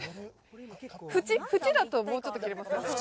縁だともうちょっと切れますよね。